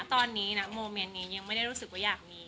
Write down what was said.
ตอนนี้ยังไม่ได้รู้สึกว่าอยากมี